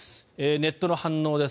ネットの反応です。